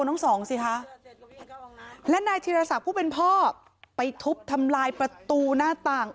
ทั้งสองสิคะและนายธีรศักดิ์ผู้เป็นพ่อไปทุบทำลายประตูหน้าต่าง